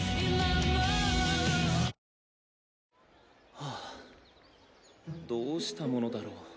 はぁどうしたものだろう。